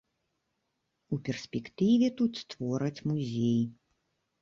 У перспектыве тут створаць музей.